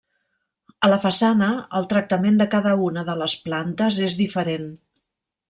A la façana, el tractament de cada una de les plantes és diferent.